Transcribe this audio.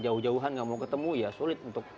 jauh jauhan nggak mau ketemu ya sulit untuk